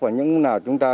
và những lúc nào chúng ta